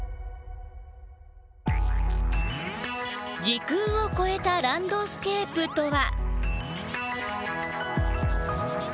時空を超えたランドスケープとは？